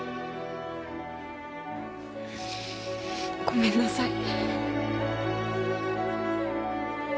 ごめんなさい。